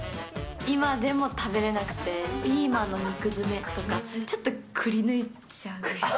今でも食べれなくて、ピーマンの肉詰めとか、ちょっとくりぬいちゃう。